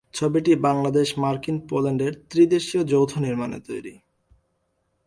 ছবিটি বাংলাদেশ-মার্কিন-পোল্যান্ডের -এীদেশীয় যৌথ-নির্মাণে তৈরি।